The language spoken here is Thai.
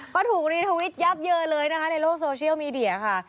ก็ถูกรีทวิตยับเยินเลยนะคะในโลกโซเชียลมีเดียค่ะ